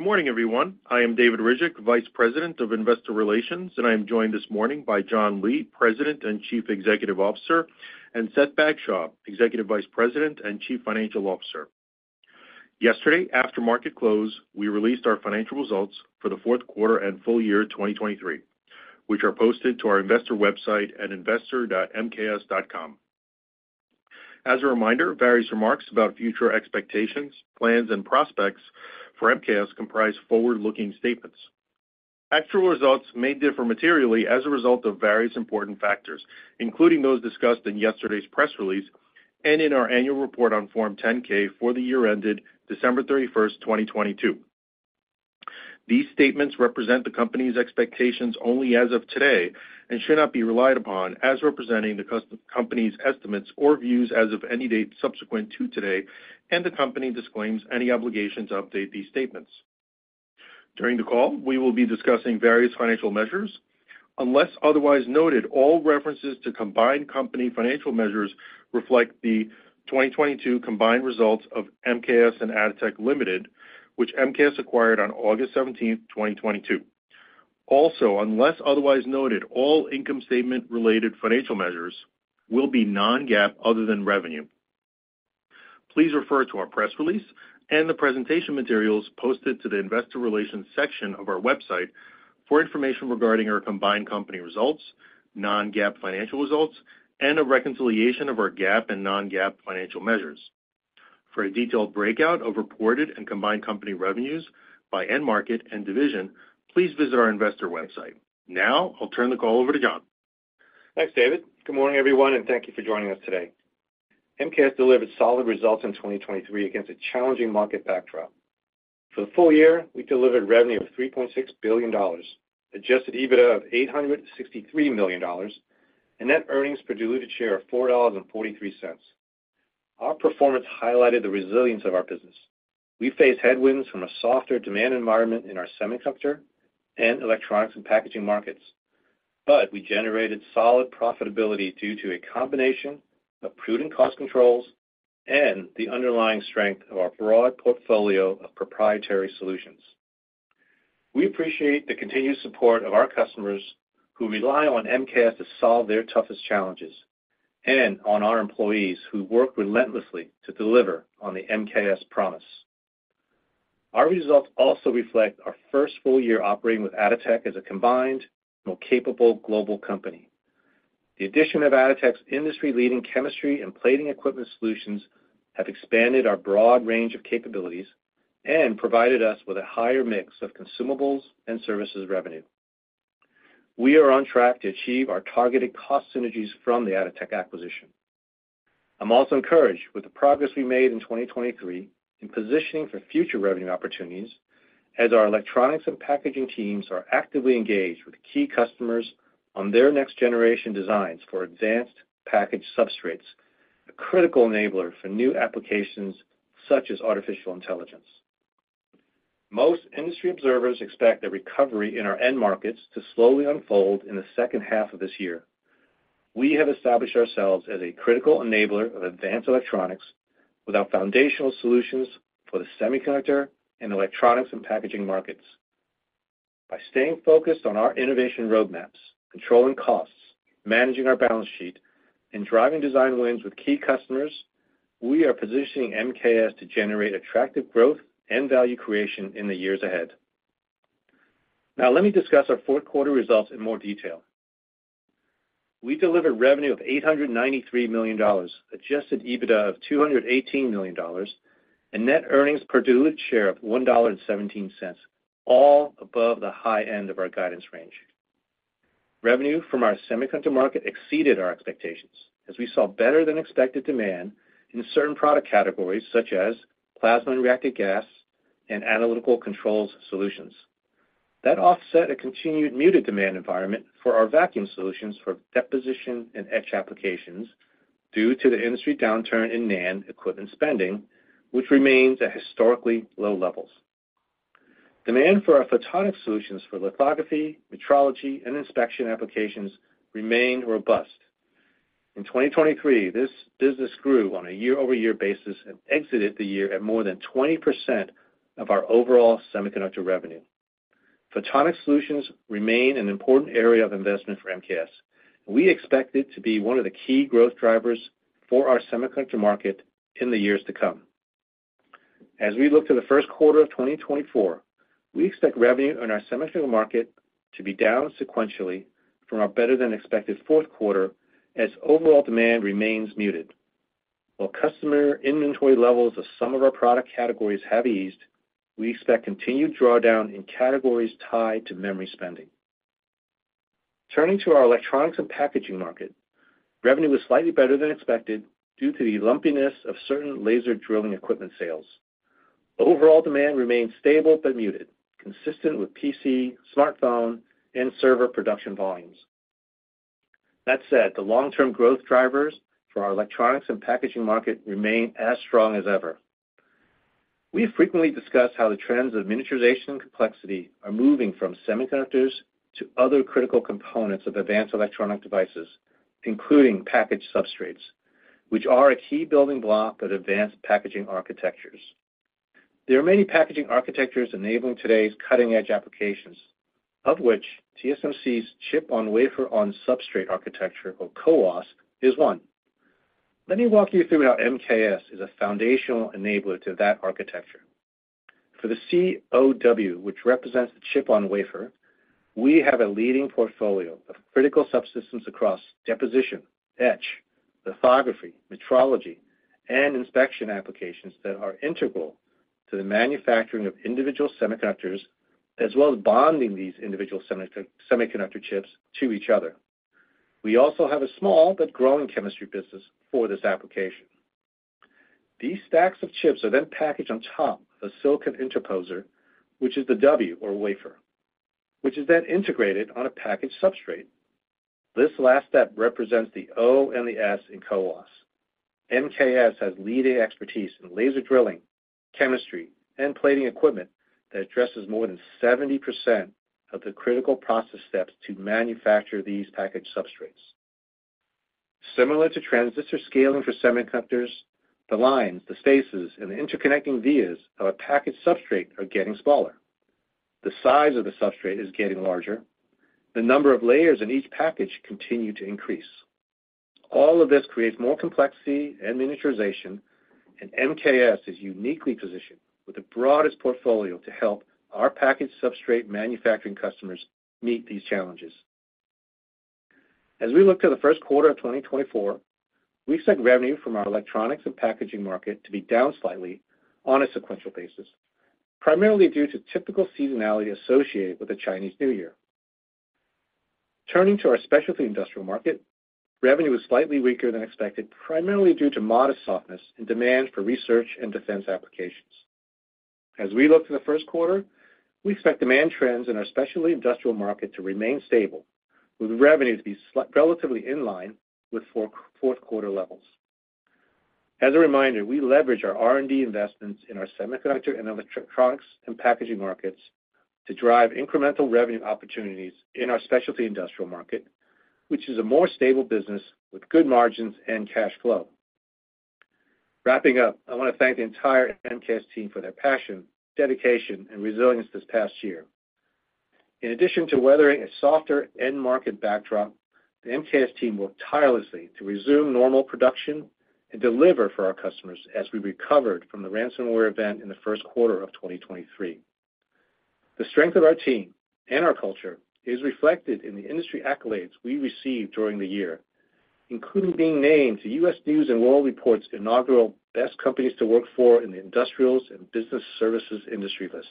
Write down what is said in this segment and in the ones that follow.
Good morning, everyone. I am David Ryzhik, Vice President of Investor Relations, and I am joined this morning by John Lee, President and Chief Executive Officer, and Seth Bagshaw, Executive Vice President and Chief Financial Officer. Yesterday, after market close, we released our financial results for the fourth quarter and full year 2023, which are posted to our investor website at investor.mks.com. As a reminder, various remarks about future expectations, plans and prospects for MKS comprise forward-looking statements. Actual results may differ materially as a result of various important factors, including those discussed in yesterday's press release and in our annual report on Form 10-K for the year ended December 31st, 2022. These statements represent the company's expectations only as of today, and should not be relied upon as representing the company's estimates or views as of any date subsequent to today, and the company disclaims any obligation to update these statements. During the call, we will be discussing various financial measures. Unless otherwise noted, all references to combined company financial measures reflect the 2022 combined results of MKS and Atotech Limited, which MKS acquired on August 17, 2022. Also, unless otherwise noted, all income statement-related financial measures will be non-GAAP, other than revenue. Please refer to our press release and the presentation materials posted to the Investor Relations section of our website for information regarding our combined company results, non-GAAP financial results, and a reconciliation of our GAAP and non-GAAP financial measures. For a detailed breakout of reported and combined company revenues by end market and division, please visit our investor website. Now I'll turn the call over to John. Thanks, David. Good morning, everyone, and thank you for joining us today. MKS delivered solid results in 2023 against a challenging market backdrop. For the full year, we delivered revenue of $3.6 billion, adjusted EBITDA of $863 million, and net earnings per diluted share of $4.43. Our performance highlighted the resilience of our business. We faced headwinds from a softer demand environment in our semiconductor and electronics and packaging markets, but we generated solid profitability due to a combination of prudent cost controls and the underlying strength of our broad portfolio of proprietary solutions. We appreciate the continued support of our customers, who rely on MKS to solve their toughest challenges, and on our employees, who work relentlessly to deliver on the MKS promise. Our results also reflect our first full year operating with Atotech as a combined, more capable global company. The addition of Atotech's industry-leading chemistry and plating equipment solutions have expanded our broad range of capabilities and provided us with a higher mix of consumables and services revenue. We are on track to achieve our targeted cost synergies from the Atotech acquisition. I'm also encouraged with the progress we made in 2023 in positioning for future revenue opportunities, as our electronics and packaging teams are actively engaged with key customers on their next-generation designs for advanced package substrates, a critical enabler for new applications such as artificial intelligence. Most industry observers expect a recovery in our end markets to slowly unfold in the second half of this year. We have established ourselves as a critical enabler of advanced electronics with our foundational solutions for the semiconductor and electronics and packaging markets. By staying focused on our innovation roadmaps, controlling costs, managing our balance sheet, and driving design wins with key customers, we are positioning MKS to generate attractive growth and value creation in the years ahead. Now, let me discuss our fourth quarter results in more detail. We delivered revenue of $893 million, Adjusted EBITDA of $218 million, and net earnings per diluted share of $1.17, all above the high end of our guidance range. Revenue from our semiconductor market exceeded our expectations, as we saw better-than-expected demand in certain product categories, such as plasma and reactive gas and analytical controls solutions. That offset a continued muted demand environment for our vacuum solutions for deposition and etch applications due to the industry downturn in NAND equipment spending, which remains at historically low levels. Demand for our photonics solutions for lithography, metrology, and inspection applications remained robust. In 2023, this business grew on a year-over-year basis and exited the year at more than 20% of our overall semiconductor revenue. Photonics solutions remain an important area of investment for MKS, and we expect it to be one of the key growth drivers for our semiconductor market in the years to come. As we look to the first quarter of 2024, we expect revenue in our semiconductor market to be down sequentially from our better-than-expected fourth quarter, as overall demand remains muted. While customer inventory levels of some of our product categories have eased, we expect continued drawdown in categories tied to memory spending. Turning to our electronics and packaging market, revenue was slightly better than expected due to the lumpiness of certain laser drilling equipment sales. Overall demand remained stable but muted, consistent with PC, smartphone, and server production volumes. That said, the long-term growth drivers for our electronics and packaging market remain as strong as ever. We have frequently discussed how the trends of miniaturization and complexity are moving from semiconductors to other critical components of advanced electronic devices, including package substrates, which are a key building block of advanced packaging architectures. There are many packaging architectures enabling today's cutting-edge applications, of whichTSMC’s Chip on Wafer on Substrate architecture, or CoWoS, is one. Let me walk you through how MKS is a foundational enabler to that architecture. For the CoW, which represents the chip on wafer, we have a leading portfolio of critical subsystems across deposition, etch, lithography, metrology, and inspection applications that are integral to the manufacturing of individual semiconductors, as well as bonding these individual semiconductor chips to each other. We also have a small but growing chemistry business for this application. These stacks of chips are then packaged on top of a silicon interposer, which is the W, or wafer, which is then integrated on a package substrate. This last step represents the O and the S in CoWoS. MKS has leading expertise in laser drilling, chemistry, and plating equipment that addresses more than 70% of the critical process steps to manufacture these package substrates. Similar to transistor scaling for semiconductors, the lines, the spaces, and the interconnecting vias of a package substrate are getting smaller. The size of the substrate is getting larger. The number of layers in each package continue to increase. All of this creates more complexity and miniaturization, and MKS is uniquely positioned with the broadest portfolio to help our package substrate manufacturing customers meet these challenges. As we look to the first quarter of 2024, we expect revenue from our electronics and packaging market to be down slightly on a sequential basis, primarily due to typical seasonality associated with the Chinese New Year. Turning to our specialty industrial market, revenue was slightly weaker than expected, primarily due to modest softness in demand for research and defense applications. As we look to the first quarter, we expect demand trends in our specialty industrial market to remain stable, with revenue to be slightly relatively in line with fourth quarter levels. As a reminder, we leverage our R&D investments in our semiconductor and electronics and packaging markets to drive incremental revenue opportunities in our specialty industrial market, which is a more stable business with good margins and cash flow. Wrapping up, I want to thank the entire MKS team for their passion, dedication, and resilience this past year. In addition to weathering a softer end market backdrop, the MKS team worked tirelessly to resume normal production and deliver for our customers as we recovered from the ransomware event in the first quarter of 2023. The strength of our team and our culture is reflected in the industry accolades we received during the year, including being named to U.S. News & World Report's inaugural Best Companies to Work For in the Industrials and Business Services industry list,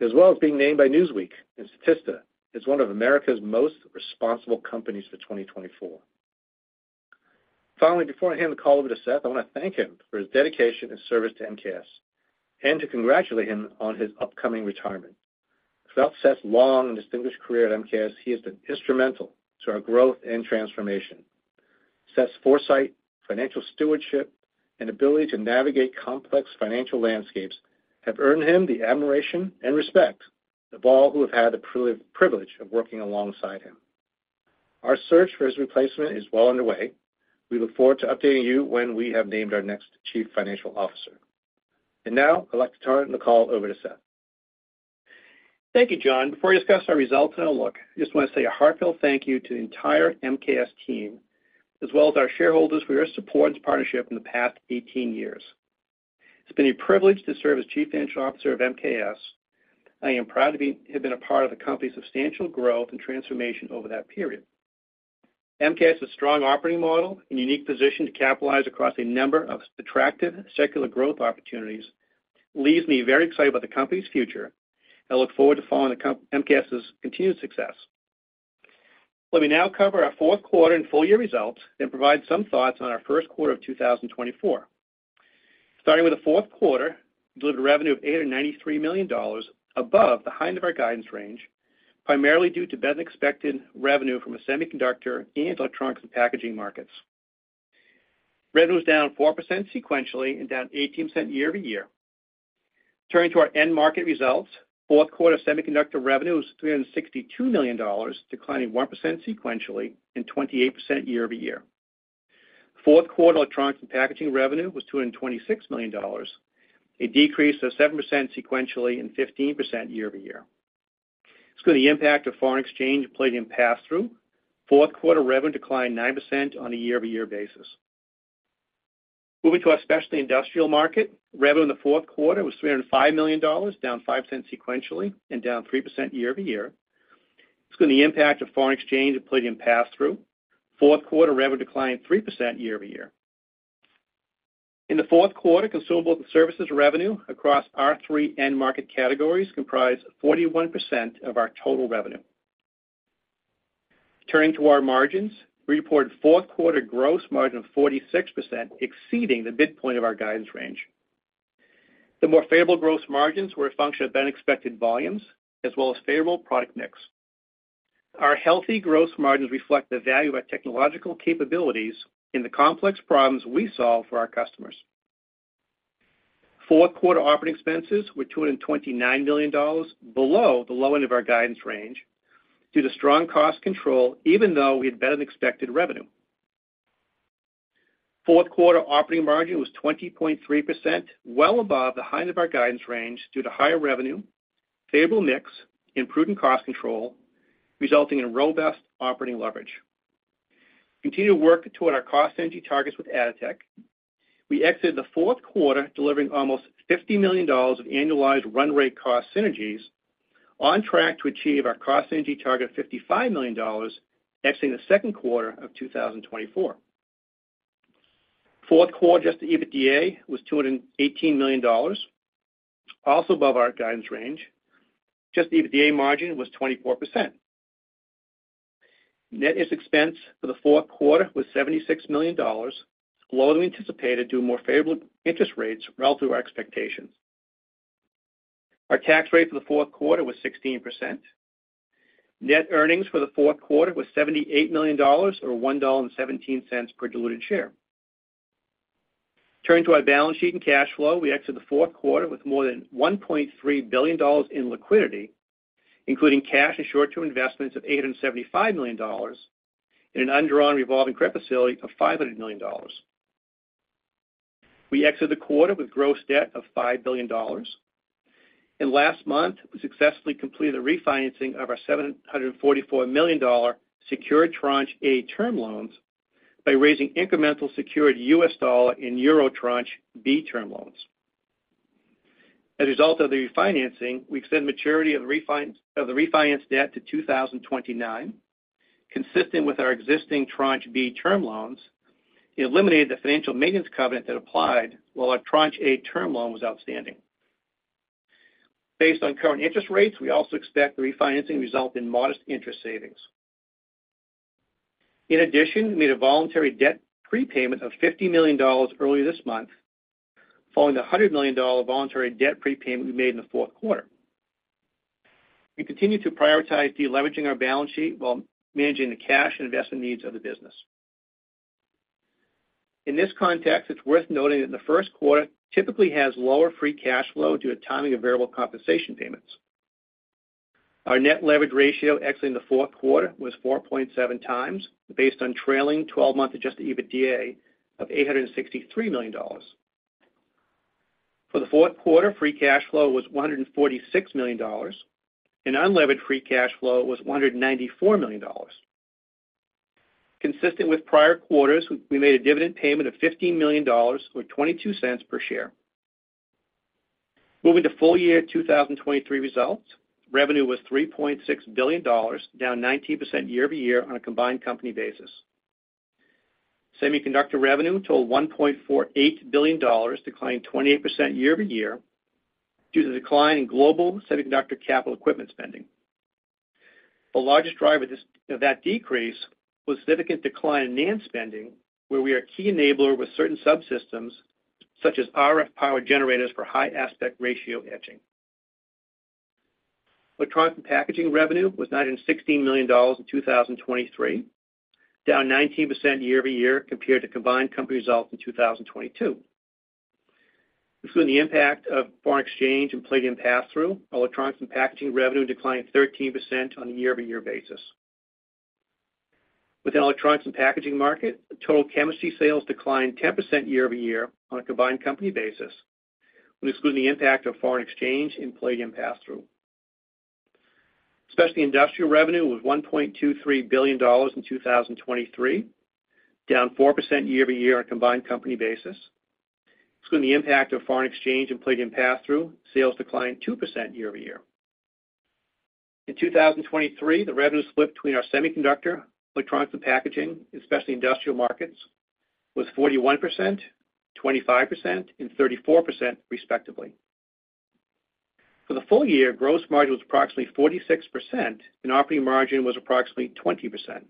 as well as being named by Newsweek and Statista as one of America's most responsible companies for 2024. Finally, before I hand the call over to Seth, I want to thank him for his dedication and service to MKS, and to congratulate him on his upcoming retirement. Throughout Seth's long and distinguished career at MKS, he has been instrumental to our growth and transformation. Seth's foresight, financial stewardship, and ability to navigate complex financial landscapes have earned him the admiration and respect of all who have had the privilege of working alongside him. Our search for his replacement is well underway. We look forward to updating you when we have named our next Chief Financial Officer. Now I'd like to turn the call over to Seth. Thank you, John. Before I discuss our results and outlook, I just want to say a heartfelt thank you to the entire MKS team, as well as our shareholders, for your support and partnership in the past 18 years. It's been a privilege to serve as Chief Financial Officer of MKS. I am proud to have been a part of the company's substantial growth and transformation over that period. MKS's strong operating model and unique position to capitalize across a number of attractive secular growth opportunities leaves me very excited about the company's future. I look forward to following MKS's continued success. Let me now cover our fourth quarter and full year results, then provide some thoughts on our first quarter of 2024. Starting with the fourth quarter, we delivered revenue of $893 million, above the high end of our guidance range, primarily due to better-than-expected revenue from a semiconductor and electronics and packaging markets. Revenue was down 4% sequentially and down 18% year-over-year. Turning to our end market results, fourth quarter semiconductor revenue was $362 million, declining 1% sequentially and 28% year-over-year. Fourth quarter electronics and packaging revenue was $226 million, a decrease of 7% sequentially and 15% year-over-year. Excluding the impact of foreign exchange and Palladium Pass-Through, fourth quarter revenue declined 9% on a year-over-year basis. Moving to our specialty industrial market, revenue in the fourth quarter was $305 million, down 5% sequentially and down 3% year-over-year. Excluding the impact of foreign exchange and palladium pass-through, fourth quarter revenue declined 3% year-over-year. In the fourth quarter, consumables and services revenue across our three end market categories comprised 41% of our total revenue. Turning to our margins, we reported fourth-quarter gross margin of 46%, exceeding the midpoint of our guidance range. The more favorable gross margins were a function of unexpected volumes as well as favorable product mix. Our healthy gross margins reflect the value of our technological capabilities in the complex problems we solve for our customers. Fourth quarter operating expenses were $229 million, below the low end of our guidance range, due to strong cost control, even though we had better than expected revenue. Fourth quarter operating margin was 20.3%, well above the high end of our guidance range due to higher revenue, favorable mix, improving cost control, resulting in robust operating leverage. We continue to work toward our cost synergy targets with Atotech. We exited the fourth quarter delivering almost $50 million of annualized run rate cost synergies on track to achieve our cost synergy target of $55 million, exiting the second quarter of 2024. Fourth quarter adjusted EBITDA was $218 million, also above our guidance range. Adjusted EBITDA margin was 24%. Net interest expense for the fourth quarter was $76 million, lower than we anticipated, due to more favorable interest rates relative to our expectations. Our tax rate for the fourth quarter was 16%. Net earnings for the fourth quarter was $78 million, or $1.17 per diluted share. Turning to our balance sheet and cash flow, we exited the fourth quarter with more than $1.3 billion in liquidity, including cash and short-term investments of $875 million and an undrawn revolving credit facility of $500 million. We exited the quarter with gross debt of $5 billion, and last month, we successfully completed a refinancing of our $744 million secured tranche A term loans by raising incremental secured U.S. dollar and euro tranche B term loans. As a result of the refinancing, we extend maturity of the refinanced debt to 2029, consistent with our existing tranche B term loans, and eliminated the financial maintenance covenant that applied while our tranche A term loan was outstanding. Based on current interest rates, we also expect the refinancing result in modest interest savings. In addition, we made a voluntary debt prepayment of $50 million earlier this month, following the $100 million dollar voluntary debt prepayment we made in the fourth quarter. We continue to prioritize de-leveraging our balance sheet while managing the cash and investment needs of the business. In this context, it's worth noting that the first quarter typically has lower free cash flow due to timing of variable compensation payments. Our net leverage ratio exiting the fourth quarter was 4.7x, based on trailing twelve-month adjusted EBITDA of $863 million. For the fourth quarter, free cash flow was $146 million, and unlevered free cash flow was $194 million. Consistent with prior quarters, we made a dividend payment of $15 million, or $0.22 per share. Moving to full year 2023 results, revenue was $3.6 billion, down 19% year-over-year on a combined company basis. Semiconductor revenue totaled $1.48 billion, declining 28% year-over-year, due to the decline in global semiconductor capital equipment spending. The largest driver of this, of that decrease was significant decline in NAND spending, where we are a key enabler with certain subsystems, such as RF Power Generators for high aspect ratio etching. Electronics and packaging revenue was $916 million in 2023, down 19% year-over-year compared to combined company results in 2022. Excluding the impact of foreign exchange and palladium pass-through, electronics and packaging revenue declined 13% on a year-over-year basis. With the electronics and packaging market, total chemistry sales declined 10% year-over-year on a combined company basis, when excluding the impact of foreign exchange and palladium pass-through. Semiconductor and industrial revenue was $1.23 billion in 2023, down 4% year-over-year on a combined company basis. Excluding the impact of foreign exchange and palladium pass-through, sales declined 2% year-over-year. In 2023, the revenue split between our semiconductor, electronics and packaging, and specialty industrial markets, was 41%, 25%, and 34% respectively. For the full year, gross margin was approximately 46%, and operating margin was approximately 20%.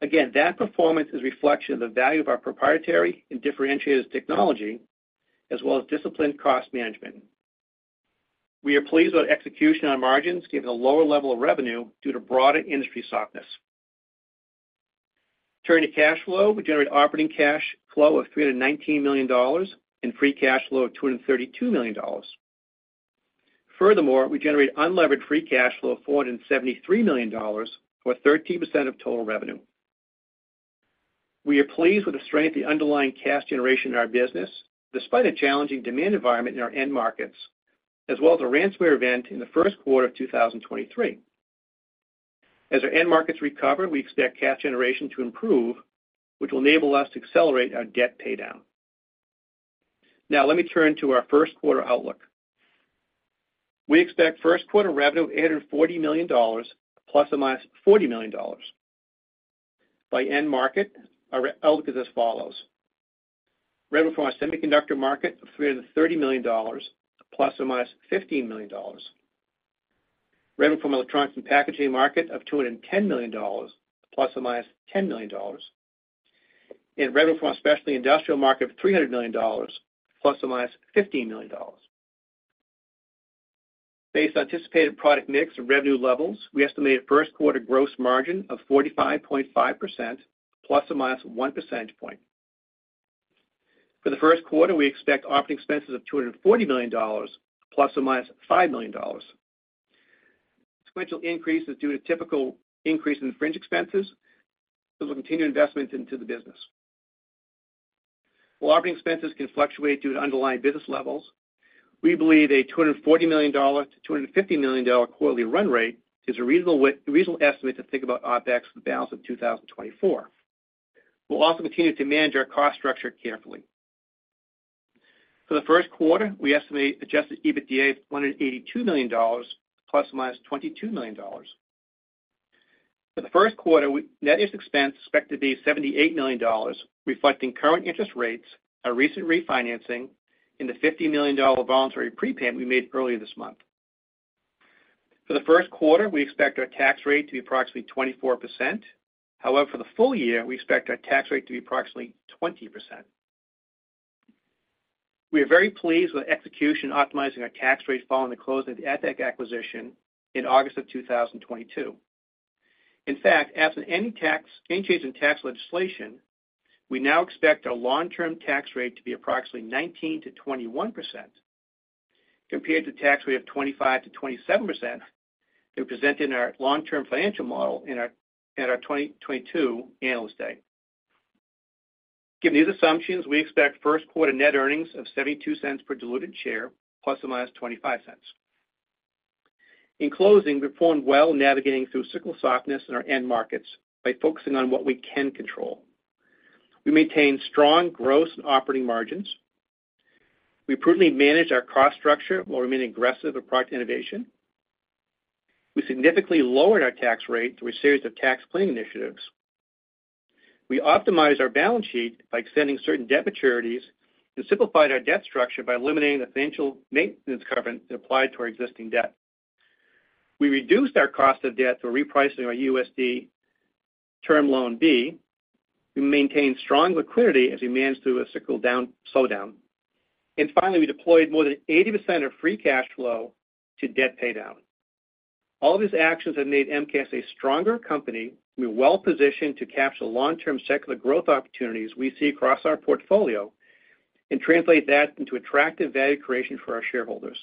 Again, that performance is a reflection of the value of our proprietary and differentiated technology, as well as disciplined cost management. We are pleased about execution on margins, given the lower level of revenue due to broader industry softness. Turning to cash flow, we generate operating cash flow of $319 million and free cash flow of $232 million. Furthermore, we generate unlevered free cash flow of $473 million, or 13% of total revenue. We are pleased with the strength of the underlying cash generation in our business, despite a challenging demand environment in our end markets, as well as a ransomware event in the first quarter of 2023. As our end markets recover, we expect cash generation to improve, which will enable us to accelerate our debt paydown. Now let me turn to our first quarter outlook. We expect first quarter revenue of $840 million, ±$40 million. By end market, our outlook is as follows: revenue from our semiconductor market of $330 million, ±$15 million. Revenue from electronics and packaging market of $210 million, ±$10 million. Revenue from a specialty industrial market of $300 million, ±$15 million. Based on anticipated product mix and revenue levels, we estimate first quarter gross margin of 45.5%, ±1 percentage point. For the first quarter, we expect operating expenses of $240 million, ±$5 million. Sequential increase is due to typical increase in fringe expenses, as we'll continue investment into the business. While operating expenses can fluctuate due to underlying business levels, we believe a $240 million-$250 million quarterly run rate is a reasonable estimate to think about OpEx for the balance of 2024. We'll also continue to manage our cost structure carefully. For the first quarter, we estimate Adjusted EBITDA of $182 million, ±$22 million. For the first quarter, net interest expense is expected to be $78 million, reflecting current interest rates, our recent refinancing, and the $50 million voluntary prepay we made earlier this month. For the first quarter, we expect our tax rate to be approximately 24%. However, for the full year, we expect our tax rate to be approximately 20%. We are very pleased with execution, optimizing our tax rate following the close of the Atotech acquisition in August 2022. In fact, absent any tax, any change in tax legislation, we now expect our long-term tax rate to be approximately 19%-21%, compared to tax rate of 25%-27%, that we presented in our long-term financial model in our, at our 2022 Analyst Day. Given these assumptions, we expect first quarter net earnings of $0.72 per diluted share, ±$0.25. In closing, we performed well in navigating through cyclical softness in our end markets by focusing on what we can control. We maintained strong gross and operating margins. We prudently managed our cost structure while remaining aggressive with product innovation. We significantly lowered our tax rate through a series of tax planning initiatives. We optimized our balance sheet by extending certain debt maturities and simplified our debt structure by eliminating the financial maintenance covenant that applied to our existing debt. We reduced our cost of debt through repricing our USD term loan B. We maintained strong liquidity as we managed through a cyclical slowdown. And finally, we deployed more than 80% of free cash flow to debt paydown. All of these actions have made MKS a stronger company. We're well positioned to capture long-term secular growth opportunities we see across our portfolio, and translate that into attractive value creation for our shareholders.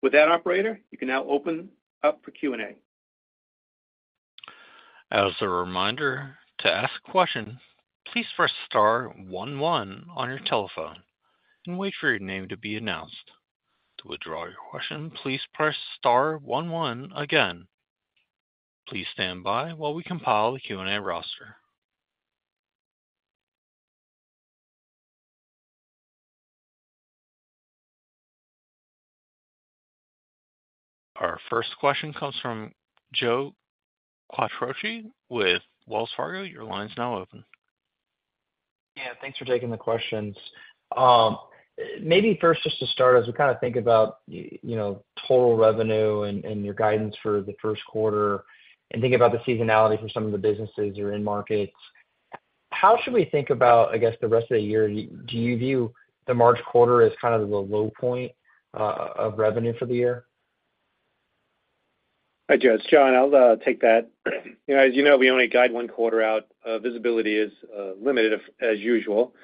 With that, operator, you can now open up for Q&A. As a reminder, to ask a question, please press star one one on your telephone and wait for your name to be announced. To withdraw your question, please press star one one again. Please stand by while we compile the Q&A roster. Our first question comes from Joe Quatrochi with Wells Fargo. Your line is now open. Yeah, thanks for taking the questions. Maybe first, just to start, as we kind of think about, you know, total revenue and, and your guidance for the first quarter, and think about the seasonality for some of the businesses you're in markets, how should we think about, I guess, the rest of the year? Do you view the March quarter as kind of the low point of revenue for the year? Hi, Joe, it's John. I'll take that. You know, as you know, we only guide one quarter out. Visibility is limited as usual,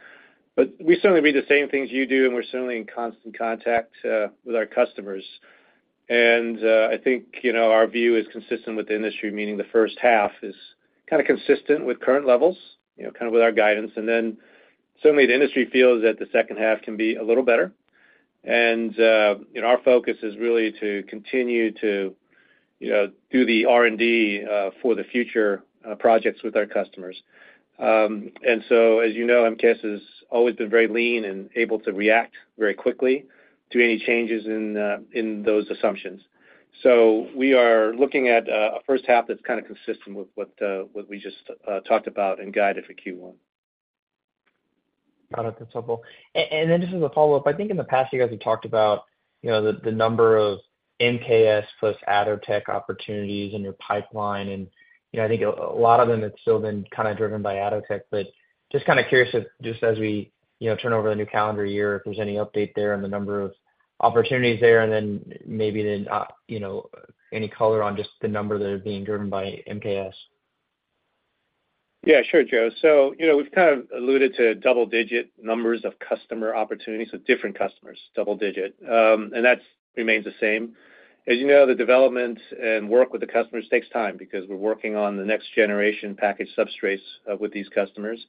but we certainly read the same things you do, and we're certainly in constant contact with our customers. I think, you know, our view is consistent with the industry, meaning the first half is kind of consistent with current levels, you know, kind of with our guidance. Then certainly the industry feels that the second half can be a little better. You know, our focus is really to continue to, you know, do the R&D for the future projects with our customers. So, as you know, MKS has always been very lean and able to react very quickly to any changes in those assumptions. We are looking at a first half that's kind of consistent with what we just talked about and guided for Q1. Got it. That's helpful. And then just as a follow-up, I think in the past, you guys have talked about, you know, the number of MKS plus Atotech opportunities in your pipeline, and, you know, I think a lot of them have still been kind of driven by Atotech. But just kind of curious if, just as we, you know, turn over the new calendar year, if there's any update there on the number of opportunities there, and then maybe then, you know, any color on just the number that are being driven by MKS. Yeah, sure, Joe. So, you know, we've kind of alluded to double-digit numbers of customer opportunities, so different customers, double digit, and that remains the same. As you know, the development and work with the customers takes time because we're working on the next generation package substrates with these customers.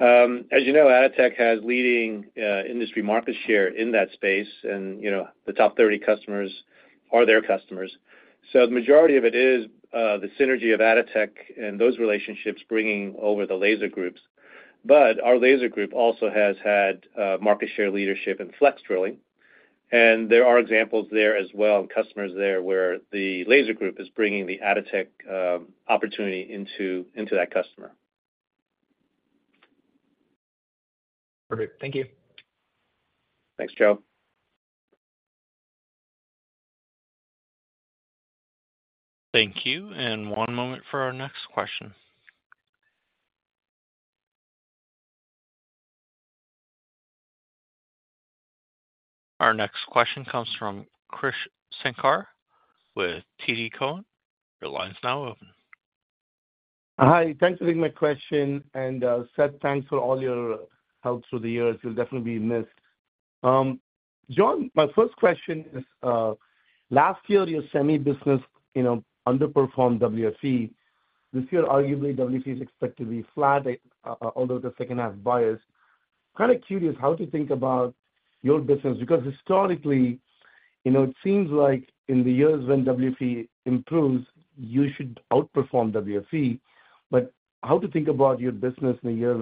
As you know, Atotech has leading industry market share in that space, and, you know, the top 30 customers are their customers. So the majority of it is the synergy of Atotech and those relationships bringing over the laser groups. But our laser group also has had market share leadership in flex drilling, and there are examples there as well, and customers there, where the laser group is bringing the Atotech opportunity into that customer. Perfect. Thank you. Thanks, Joe. Thank you, and one moment for our next question. Our next question comes from Krish Sankar with TD Cowen. Your line is now open. Hi, thanks for taking my question. And, Seth, thanks for all your help through the years. You'll definitely be missed. John, my first question is, last year, your semi business, you know, underperformed WFE. This year, arguably, WFE is expected to be flat, although the second half buyers. Kind of curious how to think about your business, because historically, you know, it seems like in the years when WFE improves, you should outperform WFE. But how to think about your business in a year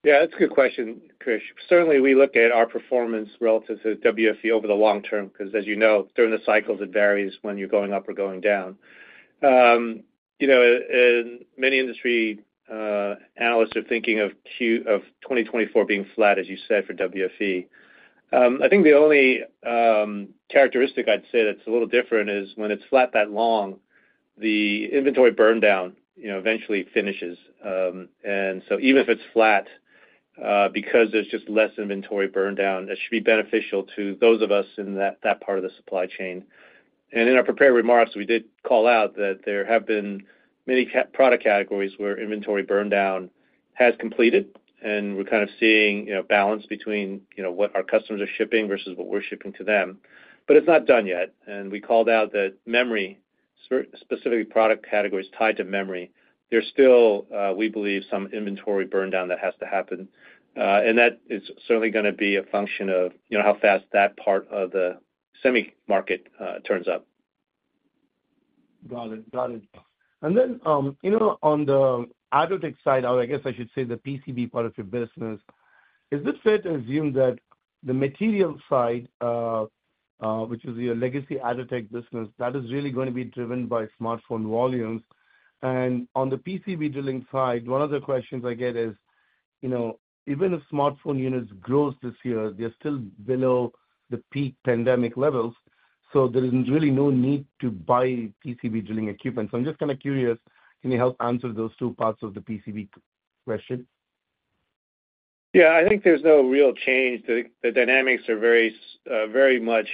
when WFE is actually flat? Yeah, that's a good question, Krish. Certainly, we look at our performance relative to WFE over the long term, 'cause as you know, during the cycles, it varies when you're going up or going down. You know, and many industry analysts are thinking of 2024 being flat, as you said, for WFE. I think the only characteristic I'd say that's a little different is when it's flat that long, the inventory burn down, you know, eventually finishes. And so even if it's flat, because there's just less inventory burn down, that should be beneficial to those of us in that, that part of the supply chain. And in our prepared remarks, we did call out that there have been many product categories where inventory burn down has completed, and we're kind of seeing, you know, balance between, you know, what our customers are shipping versus what we're shipping to them. But it's not done yet, and we called out that memory, specifically product categories tied to memory, there's still, we believe, some inventory burn down that has to happen. And that is certainly gonna be a function of, you know, how fast that part of the semi market turns up. Got it. Got it. And then, you know, on the Atotech side, or I guess I should say, the PCB part of your business, is it fair to assume that the material side, which is your legacy Atotech business, that is really going to be driven by smartphone volumes? And on the PCB drilling side, one of the questions I get is, you know, even if smartphone units grows this year, they're still below the peak pandemic levels, so there is really no need to buy PCB drilling equipment. So I'm just kind of curious, can you help answer those two parts of the PCB question? Yeah, I think there's no real change. The dynamics are very much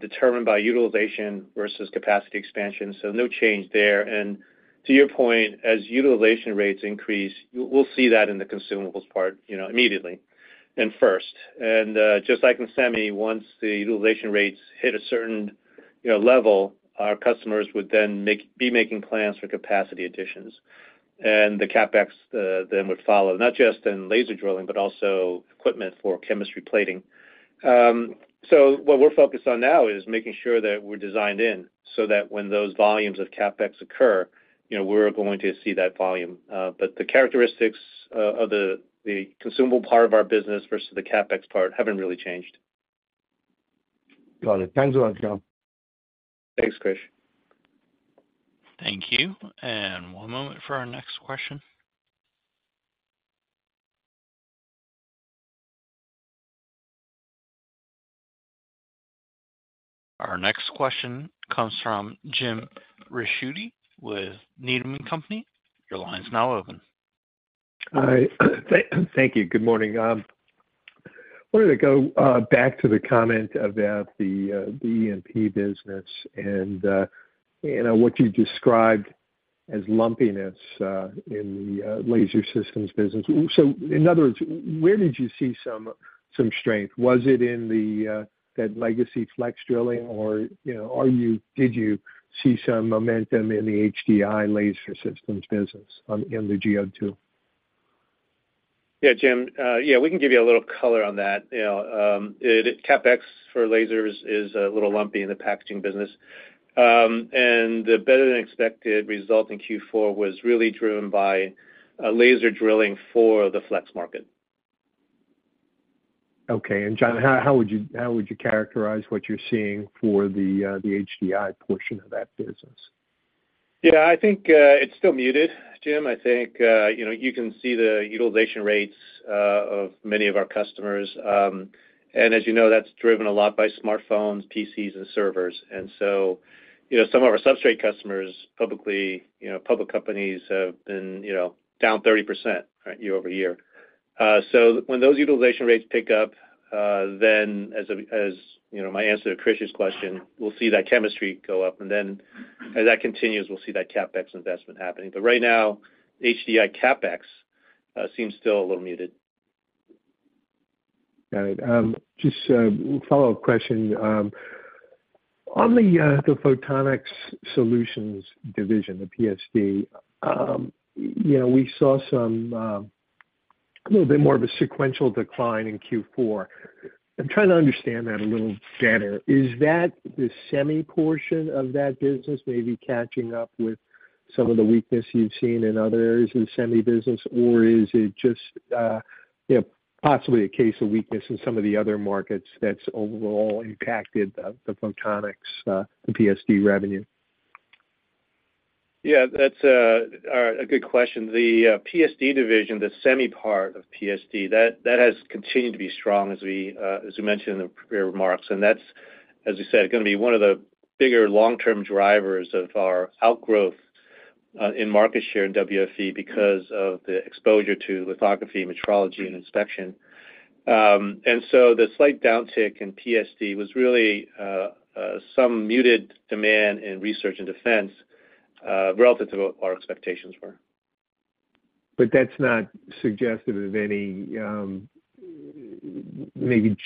determined by utilization versus capacity expansion, so no change there. And to your point, as utilization rates increase, we'll see that in the consumables part, you know, immediately and first. And just like in semi, once the utilization rates hit a certain, you know, level, our customers would then be making plans for capacity additions. And the CapEx then would follow, not just in laser drilling, but also equipment for chemistry plating. So what we're focused on now is making sure that we're designed in, so that when those volumes of CapEx occur, you know, we're going to see that volume. But the characteristics of the consumable part of our business versus the CapEx part haven't really changed. Got it. Thanks a lot, John. Thanks, Krish. Thank you, and one moment for our next question. Our next question comes from Jim Ricchiuti with Needham & Company. Your line is now open. Hi, thank you. Good morning. Wanted to go back to the comment about the E&P business and, you know, what you described as lumpiness in the laser systems business. So in other words, where did you see some strength? Was it in that legacy flex drilling, or, you know, are you—did you see some momentum in the HDI laser systems business on, in the G02? Yeah, Jim, yeah, we can give you a little color on that. You know, it CapEx for lasers is a little lumpy in the packaging business. And the better-than-expected result in Q4 was really driven by a laser drilling for the flex market. Okay. And, John, how, how would you, how would you characterize what you're seeing for the, the HDI portion of that business? Yeah, I think, it's still muted, Jim. I think, you know, you can see the utilization rates of many of our customers. And as you know, that's driven a lot by smartphones, PCs, and servers. And so, you know, some of our substrate customers, publicly, you know, public companies, have been, you know, down 30%, right, year-over-year. So when those utilization rates pick up, then as a, as, you know, my answer to Krish's question, we'll see that chemistry go up, and then as that continues, we'll see that CapEx investment happening. But right now, HDI CapEx seems still a little muted. Got it. Just a follow-up question. On the Photonics Solutions Division, the PSD, you know, we saw some a little bit more of a sequential decline in Q4. I'm trying to understand that a little better. Is that the semi portion of that business maybe catching up with some of the weakness you've seen in other areas of the semi business, or is it just you know, possibly a case of weakness in some of the other markets that's overall impacted the the photonics the PSD revenue? Yeah, that's a good question. The PSD division, the semi part of PSD, that has continued to be strong, as we mentioned in the prepared remarks, and that's, as you said, going to be one of the bigger long-term drivers of our outgrowth in market share in WFE because of the exposure to lithography, metrology, and inspection. And so the slight downtick in PSD was really some muted demand in research and defense relative to what our expectations were. But that's not suggestive of any, maybe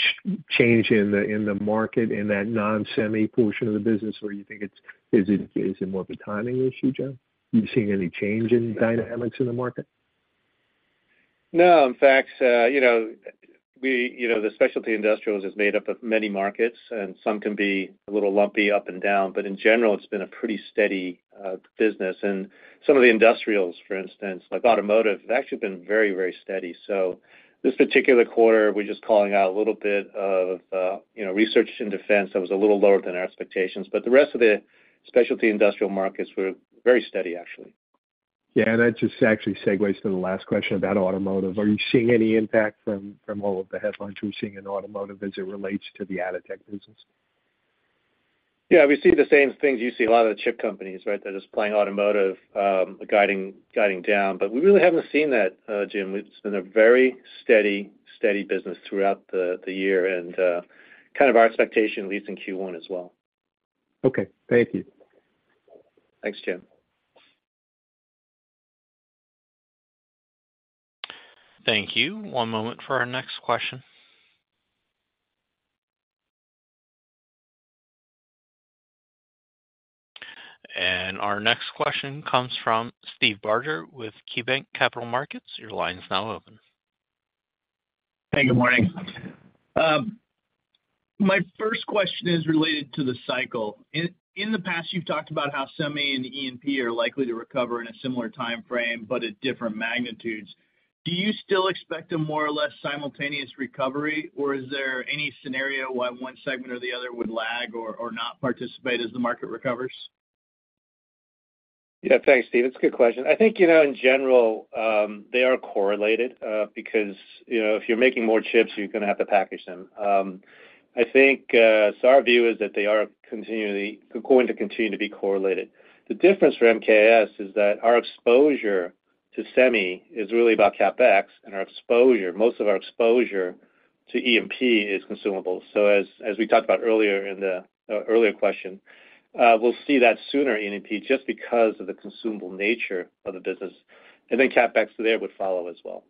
change in the, in the market, in that non-semi portion of the business, or you think it's more of a timing issue, Jim? Are you seeing any change in dynamics in the market? No, in fact, you know, we, you know, the specialty industrials is made up of many markets, and some can be a little lumpy up and down, but in general, it's been a pretty steady business. And some of the industrials, for instance, like automotive, have actually been very, very steady. So this particular quarter, we're just calling out a little bit of, you know, research and defense that was a little lower than our expectations, but the rest of the specialty industrial markets were very steady, actually. Yeah, and that just actually segues to the last question about automotive. Are you seeing any impact from all of the headlines we're seeing in automotive as it relates to the Atotech business? Yeah, we see the same things you see. A lot of the chip companies, right? They're just playing automotive, guiding, guiding down. But we really haven't seen that, Jim. It's been a very steady, steady business throughout the, the year and, kind of our expectation, at least in Q1 as well. Okay. Thank you. Thanks, Jim. Thank you. One moment for our next question. Our next question comes from Steve Barger with KeyBanc Capital Markets. Your line is now open. Hey, good morning. My first question is related to the cycle. In the past, you've talked about how semi and E&P are likely to recover in a similar time frame, but at different magnitudes. Do you still expect a more or less simultaneous recovery, or is there any scenario where one segment or the other would lag or not participate as the market recovers? Yeah, thanks, Steve. That's a good question. I think, you know, in general, they are correlated, because, you know, if you're making more chips, you're gonna have to package them. I think, so our view is that they are going to continue to be correlated. The difference for MKS is that our exposure to semi is really about CapEx, and our exposure, most of our exposure to E&P is consumable. So as we talked about earlier in the earlier question, we'll see that sooner in E&P just because of the consumable nature of the business, and then CapEx there would follow as well.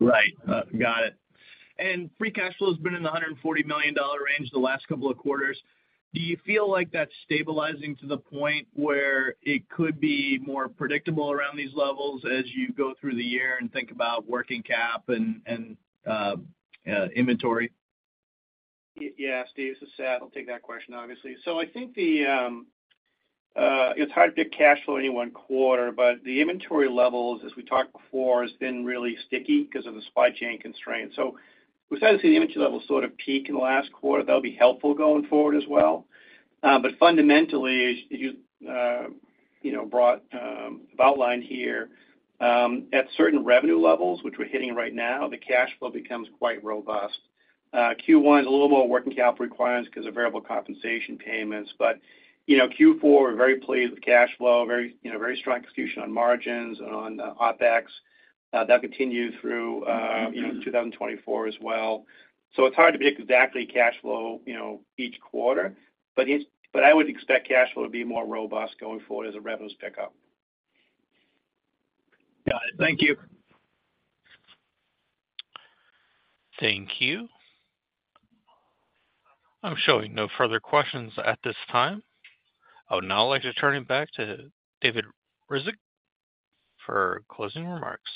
Right. Got it. And free cash flow has been in the $140 million range the last couple of quarters. Do you feel like that's stabilizing to the point where it could be more predictable around these levels as you go through the year and think about working cap and inventory? Yes, Steve, this is Seth. I'll take that question, obviously. So I think it's hard to pick cash flow any one quarter, but the inventory levels, as we talked before, has been really sticky because of the supply chain constraints. So we started to see the inventory levels sort of peak in the last quarter. That'll be helpful going forward as well. But fundamentally, you you know brought about line here at certain revenue levels, which we're hitting right now, the cash flow becomes quite robust. Q1, a little more working capital requirements because of variable compensation payments, but, you know, Q4, we're very pleased with cash flow, very you know very strong execution on margins and on OpEx. That continued through you know 2024 as well. So, it's hard to predict exactly cash flow, you know, each quarter, but I would expect cash flow to be more robust going forward as the revenues pick up. Got it. Thank you. Thank you. I'm showing no further questions at this time. I would now like to turn it back to David Ryzhik for closing remarks.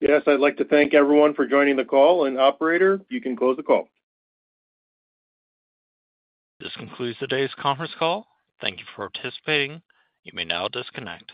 Yes, I'd like to thank everyone for joining the call, and operator, you can close the call. This concludes today's conference call. Thank you for participating. You may now disconnect.